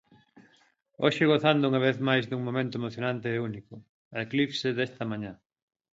Hoxe gozando unha vez máis dun momento emocionante e único: a eclipse desta mañá.